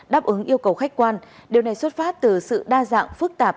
đáp ứng yêu cầu khách quan điều này xuất phát từ sự đa dạng phức tạp